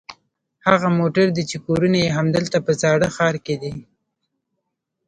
هغه موټر دي چې کورونه یې همدلته په زاړه ښار کې دي.